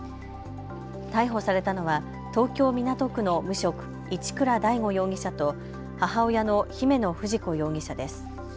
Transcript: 逮捕されたのは東京港区の無職、一倉大悟容疑者と母親の姫野富士子容疑者です。